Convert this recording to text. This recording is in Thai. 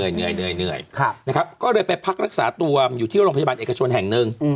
เหนื่อยนะครับก็เลยไปพักรักษาตัวอยู่ที่โรงพยาบาลเอกชนแห่งหนึ่ง